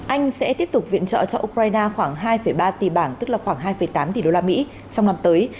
anh sẽ tiếp tục viện trợ cho ukraine khoảng hai ba tỷ bảng tức là khoảng hai tám tỷ đô la mỹ trong năm tới